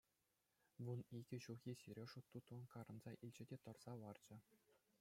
Вун икӗ ҫулхи Сережа тутлӑн карӑнса илчӗ те тӑрса ларчӗ.